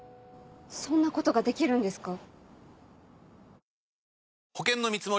そんなことができるんですか？